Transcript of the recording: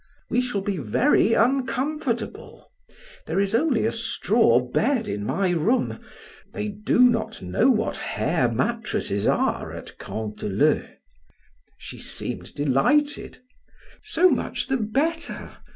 "We shall be very uncomfortable. There is only a straw bed in my room; they do not know what hair mattresses are at Canteleu." She seemed delighted. "So much the better.